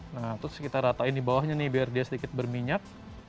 nah terus kita ratain di bawahnya nih biar dia sedikit berminyak